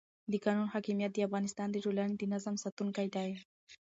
د قانون حاکمیت د افغانستان د ټولنې د نظم ساتونکی دی